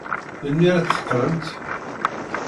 Melmi ara d-teqqlemt?